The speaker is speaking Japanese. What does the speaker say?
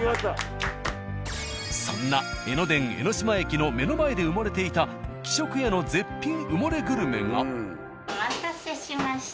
そんな江ノ電江ノ島駅の目の前で埋もれていた「喜食家」の絶品・お待たせしました。